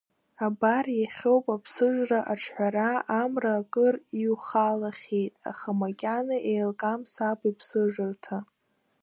Абар иахьоуп аԥсыжра аҽҳәара, амра акыр иҩхалахьеит, аха макьана еилкаам саб иԥсыжырҭа.